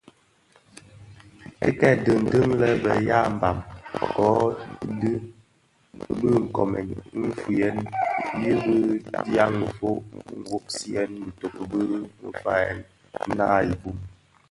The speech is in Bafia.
Ki kè dhëndèn lè be ya mbam ko dhi mbiň wu bë nkoomen nfuyen yi bi ndyem ufog, nwogsiyèn bitoki bi fañiyèn naa i bum ifogtèn.